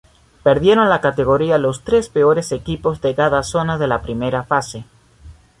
Perdieron la categoría los tres peores equipos de cada zona de la Primera fase.